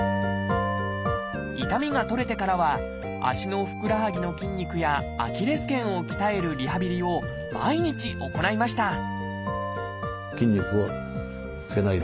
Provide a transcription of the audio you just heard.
痛みが取れてからは足のふくらはぎの筋肉やアキレス腱を鍛えるリハビリを毎日行いました